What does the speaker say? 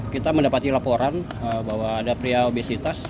kita mendapati laporan bahwa ada pria obesitas